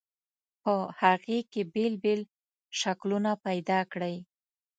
په هغې کې بېل بېل شکلونه پیدا کړئ.